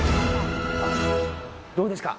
どうですか？